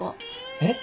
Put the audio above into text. えっ？